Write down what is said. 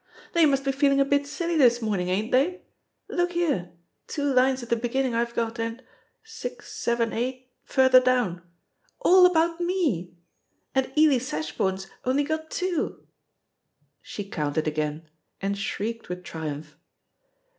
They must be feeling a bit silly this morning, ain't they? Look here — ^two lines at the beginning I've got, and ••• six, seven, eight, further down. All about mel ••• And Eley Sashboume's only got two I" She coimted agaia, and shrieked with tri umph.